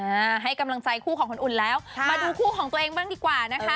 อ่าให้กำลังใจคู่ของคนอื่นแล้วมาดูคู่ของตัวเองบ้างดีกว่านะคะ